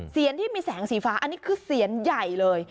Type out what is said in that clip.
ที่มีแสงสีฟ้าอันนี้คือเสียนใหญ่เลย